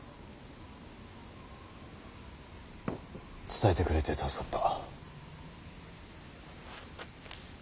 伝えてくれて助かった。